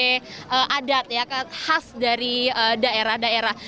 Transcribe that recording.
nah ini kegiatan yang terkait adat ya khas dari daerah daerah